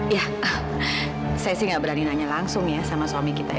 ya saya sih gak berani nanya langsung ya sama suami kita ya